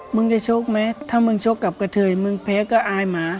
มึงจะชกไหมถ้ามึงชกกับกระเทยมึงแพ้ก็อายหมา